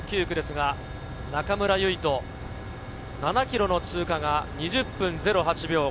９区ですが、中村唯翔、７ｋｍの通過が２０分０８秒。